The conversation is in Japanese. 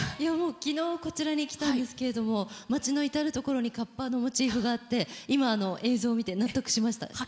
昨日こちらに来たんですけれども街のいたるところにかっぱのモチーフがあって今、映像を見て納得しました。